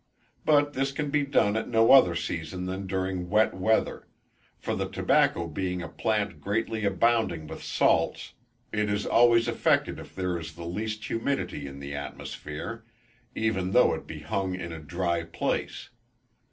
But this can be done at no other season than during wet weather; for the tobacco being a plant greatly abounding with salts, it is always affected if there is the least humidity in the atmosphere, even though it be hung in a dry place.